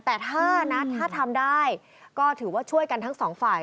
แต่ถ้านะถ้าทำได้ก็ถือว่าช่วยกันทั้งสองฝ่าย